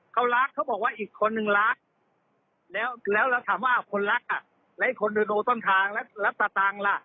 เขารักเขาบอกว่าอีกคนนึงรักแล้วเราถามว่าคนรักอ่ะแล้วอีกคนดูต้นทางแล้วรับสตังค์ล่ะ